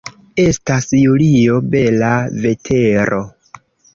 Estas julio, bela vetero.